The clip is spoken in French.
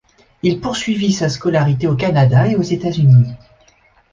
Il poursuivit sa scolarité au Canada et aux États-Unis.